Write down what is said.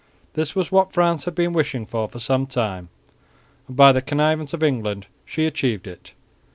This was what France had been wishing for some time and, by the connivance of England, she achieved it.